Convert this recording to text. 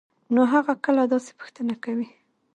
نو هغه کله داسې پوښتنه کوي؟؟